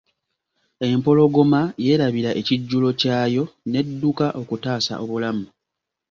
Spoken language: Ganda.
Empologoma yerabira ekijjulo kyayo n'edduka okutaasa obulamu.